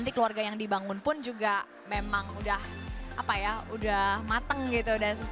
nanti keluarga yang dibangun pun juga memang udah mateng gitu